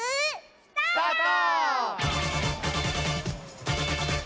スタート！